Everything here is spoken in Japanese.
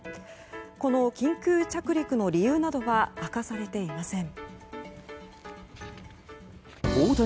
この緊急着陸の理由などは明かされていません。